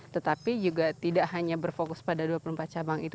tetapi juga tidak hanya berfokus pada dua puluh empat cabang itu